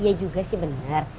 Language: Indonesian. iya juga sih benar